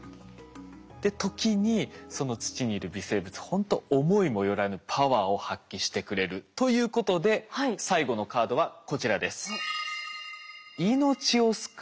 ほんと思いもよらぬパワーを発揮してくれるということで最後のカードはこちらです。